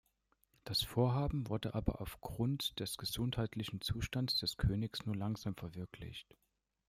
Das Vorhaben wurde aber aufgrund des gesundheitlichen Zustands des Königs nur langsam verwirklicht.